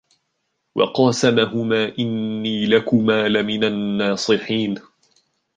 وَقَاسَمَهُمَا إِنِّي لَكُمَا لَمِنَ النَّاصِحِينَ